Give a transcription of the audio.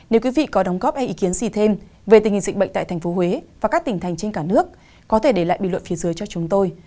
nếu quý vị có đóng góp hay ý kiến gì thêm về tình hình dịch bệnh tại tp huế và các tỉnh thành trên cả nước có thể để lại bình luận phía dưới cho chúng tôi